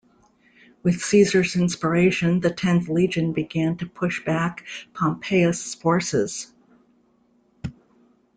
With Caesar's inspiration the tenth legion began to push back Pompeius' forces.